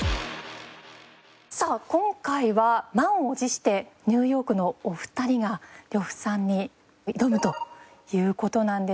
さあ今回は満を持してニューヨークのお二人が呂布さんに挑むという事なんですが普段いるスタジオとは雰囲気違いますか？